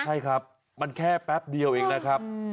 ใช่ครับมันแค่แป๊บเดียวเองนะครับ